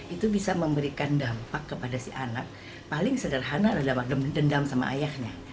itu bisa memberikan dampak kepada si anak paling sederhana adalah dendam sama ayahnya